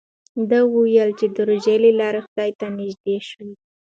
ده وویل چې د روژې له لارې خدای ته نژدې شوی.